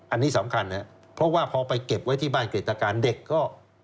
อันนี้สำคัญนะครับเพราะว่าพอไปเก็บไว้ที่บ้านเกรตการเด็กก็